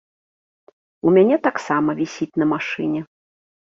У мяне таксама вісіць на машыне.